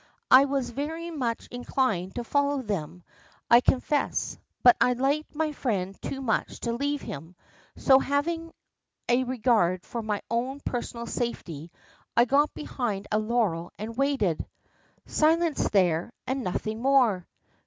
I was very much inclined to follow them, I confess, but I liked my friend too much to leave him, so, having a regard for my own personal safety, I got behind a laurel and waited. "Silence there, and nothing more."